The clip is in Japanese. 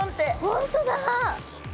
本当だ！